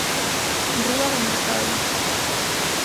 Rúa do Mercado.